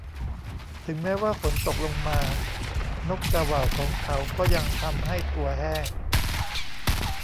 ถึงแม้ว่าฝนตกลงมา นกกาเหว่าของเขาก็ยังทำให้ตัวแห้ง